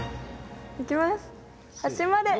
いきます！